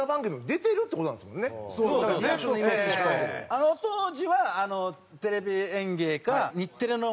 あの当時は『テレビ演芸』か日テレの。